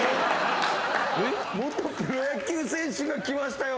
元プロ野球選手が来ましたよ